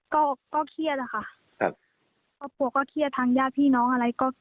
ก็ก็เครียดอะค่ะครับครอบครัวก็เครียดทางญาติพี่น้องอะไรก็